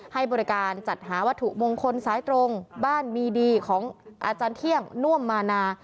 ให้บริการจัดหาวัตถุมงคลสายตรงบ้านมีดีของอาจารย์เที่ยงน่วมมานา